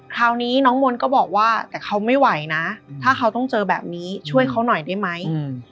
คราวนี้น้องมนต์ก็บอกว่าแต่เขาไม่ไหวนะถ้าเขาต้องเจอแบบนี้ช่วยเขาหน่อยได้ไหม